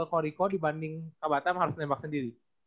kak riko dibanding kak batam harus nembak sendiri